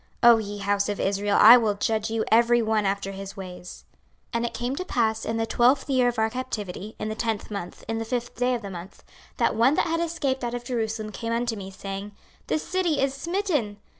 O ye house of Israel, I will judge you every one after his ways. 26:033:021 And it came to pass in the twelfth year of our captivity, in the tenth month, in the fifth day of the month, that one that had escaped out of Jerusalem came unto me, saying, The city is smitten.